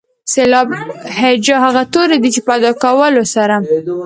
سېلاب هجا هغه توري دي چې په ادا کولو سره.